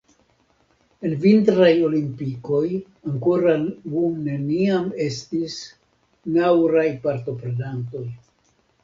En vintraj olimpikoj ankoraŭ neniam estis nauraj partoprenantoj.